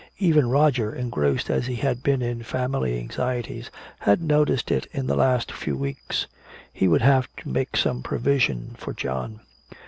Even Roger, engrossed as he had been in family anxieties, had noticed it in the last few weeks. He would have to make some provision for John.